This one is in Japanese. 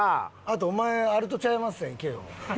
あとお前あるとちゃいまっせんいけよ。